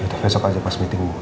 ya besok aja pas meetingmu